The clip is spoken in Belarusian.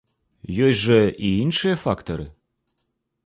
Ёсць жа і іншыя фактары.